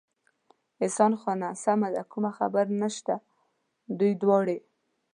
احسان خان: سمه ده، کومه خبره نشته، دوی دواړې.